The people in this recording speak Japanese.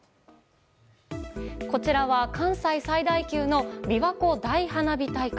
こちらは関西最大級のびわ湖大花火大会。